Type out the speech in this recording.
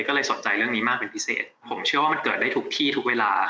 ก็เลยสนใจเรื่องนี้มากเป็นพิเศษผมเชื่อว่ามันเกิดได้ทุกที่ทุกเวลา